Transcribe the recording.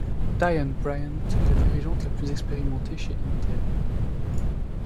Diane Bryant est la dirigeante la plus expérimentée chez Intel.